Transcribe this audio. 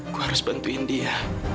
gue harus bantuin dia